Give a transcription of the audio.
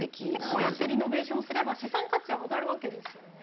こうやってリノベーションすれば資産価値は上がるわけですよね。